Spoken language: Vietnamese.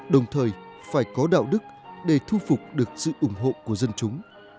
đồng thời phải có đạo đức để thu phục được sự ủng hộ của dân chúng